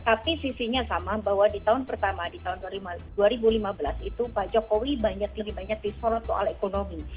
tapi sisinya sama bahwa di tahun pertama di tahun dua ribu lima belas itu pak jokowi banyak disorot soal ekonomi